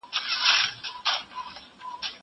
هغه وويل چي موسيقي ګټوره ده.